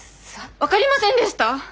分かりませんでした？